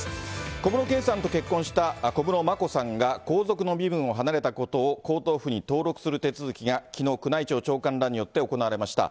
小室圭さんと結婚した小室眞子さんが、皇族の身分を離れたことを皇統譜に登録する手続きが、きのう、宮内庁長官らによって行われました。